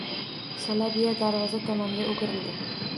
Shalabiya darvoza tomonga o`girildi